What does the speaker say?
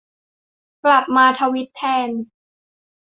กลับมาทวีตแทน